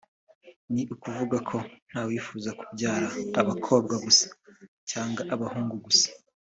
ni ukuvuga ko nta wifuza kubyara abakobwa gusa cyangwa abahungu gusa